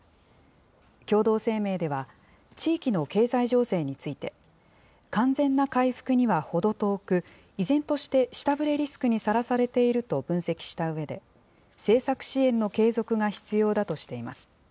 共同声明では、地域の経済情勢について、完全な回復にはほど遠く、依然として下振れリスクにさらされていると分析したうえで、政策支援の継続が必要だとしています。